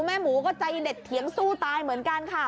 หมูก็ใจเด็ดเถียงสู้ตายเหมือนกันค่ะ